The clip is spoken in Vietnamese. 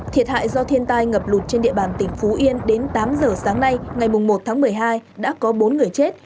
thiệt hại do thiên tai ngập lụt trên địa bàn tỉnh phú yên đến tám giờ sáng nay ngày một tháng một mươi hai đã có bốn người chết